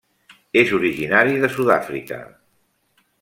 És originari de Sud-àfrica.